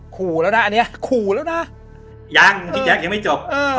ขู่แล้วนะอันนี้ขู่แล้วนะยังพี่แจ๊คยังไม่จบ